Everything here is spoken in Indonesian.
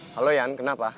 halo yan kenapa